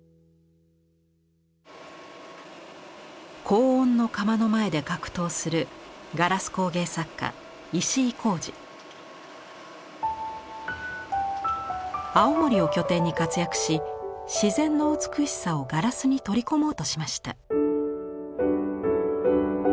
高温の窯の前で格闘する青森を拠点に活躍し自然の美しさをガラスに取り込もうとしました。